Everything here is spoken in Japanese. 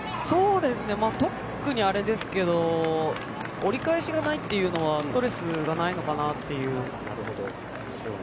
特にあれですけど折り返しがないというのはストレスがないのかなっていう。